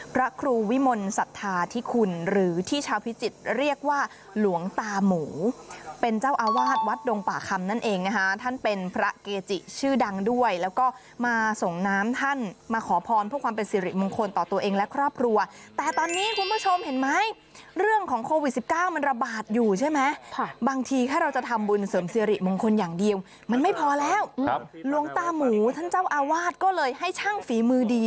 เป็นเจ้าอาวาสวัดดงป่าคำนั่นเองค่ะท่านเป็นพระเกจิชื่อดังด้วยแล้วก็มาส่งน้ำท่านมาขอพรเพื่อความเป็นเสียริมงคลต่อตัวเองและครอบครัวแต่ตอนนี้คุณผู้ชมเห็นไหมเรื่องของโควิด๑๙มันระบาดอยู่ใช่ไหมบางทีแค่เราจะทำบุญเสริมเสียริมงคลอย่างเดียวมันไม่พอแล้วลวงตามหูท่านเจ้าอาวาสก็เลยให้ช่างฝีม